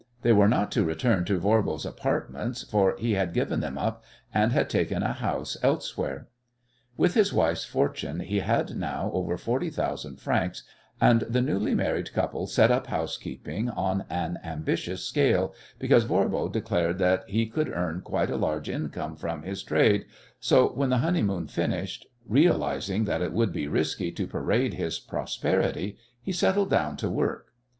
They were not to return to Voirbo's apartments, for he had given them up and had taken a house elsewhere. With his wife's fortune he had now over forty thousand francs and the newly married couple set up housekeeping on an ambitious scale, because Voirbo declared that he could earn quite a large income from his trade, so, when the honeymoon finished, realizing that it would be risky to parade his prosperity, he settled down to work.